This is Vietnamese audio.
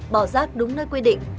bỏ rác đúng nơi quy định